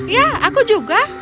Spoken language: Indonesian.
ya aku juga